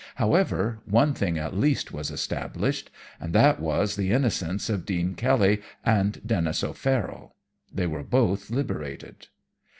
However, one thing at least was established, and that was the innocence of Dean Kelly and Denis O'Farroll. They were both liberated.